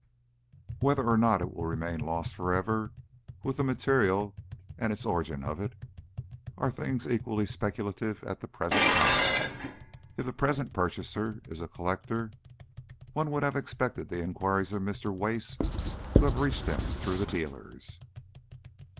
Whether or not it will remain lost for ever, with the material and origin of it, are things equally speculative at the present time. If the present purchaser is a collector, one would have expected the enquiries of Mr. Wace to have reached him through the dealers.